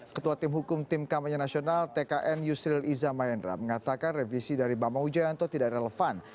ketua tim hukum tim kampanye nasional tkn yusril iza mahendra mengatakan revisi dari bama wijayanto tidak relevan